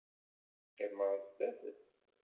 Qqimeɣ zdat-s.